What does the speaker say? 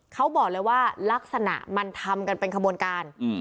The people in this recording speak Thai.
เขาบอกเลยว่าลักษณะมันทำกันเป็นขบวนการ